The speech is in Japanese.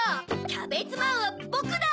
キャベツマンはぼくだ！